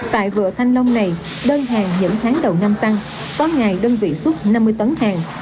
tại vựa thanh long này đơn hàng những tháng đầu năm tăng có ngày đơn vị xuất năm mươi tấn hàng